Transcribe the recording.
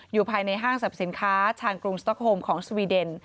อยู่ภายในห้างสรรพสินค้าชานกรุงสต๊อกโฮมของสวีเดน